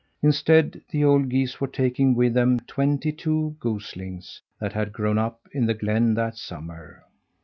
Instead, the old geese were taking with them twenty two goslings that had grown up in the glen that summer.